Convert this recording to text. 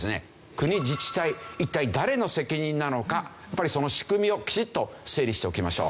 国自治体一体誰の責任なのかやっぱりその仕組みをきちっと整理しておきましょう。